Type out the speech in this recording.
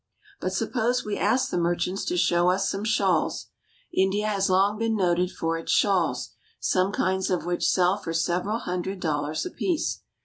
But suppose we ask the merchants to show us some shawls. India has long been noted for its shawls, some kinds of which sell for several hundred dollars apiece.